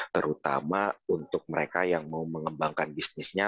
terutama untuk mereka yang mau mengembangkan bisnisnya